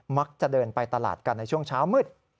มักจะเดินไปตลาดกันในช่วงเช้ามืด